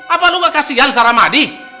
apa lu gak kasihan sama madi